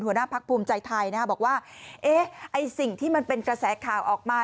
หัวหน้าพักภูมิใจไทยบอกว่าไอ้สิ่งที่มันเป็นกระแสข่าวออกมา